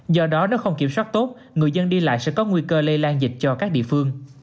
do đó nếu không kiểm soát tốt người dân đi lại sẽ có nguy cơ lây lan dịch cho các địa phương